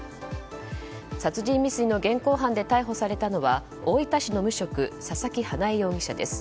殺人未遂の現行犯で逮捕されたのは大分市の無職佐々木英恵容疑者です。